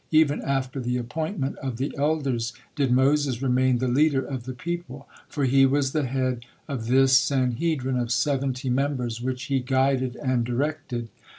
Even after the appointment of the elders did Moses remain the leader of the people, for he was the head of this Sanhedrin of seventy members which he guided and directed.